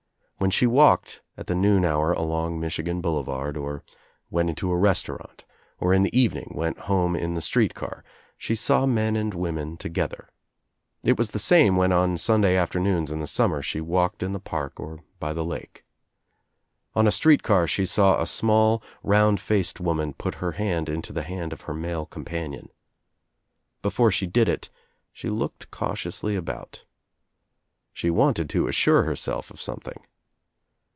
When she walked at the noon hour along Michigan Boulevard or went into a res taurant or in the evening went home in the street car she saw men and women together. It was the same when on Sunday afternoons in the summer she walked 402 THE TRIUMPH OF TUE EGG in the park or by the lake. On a street car she saw a small round faced woman put her hand into the hand of her male companion. Before she did it she looked cautiously about. She wanted to assure herself of something.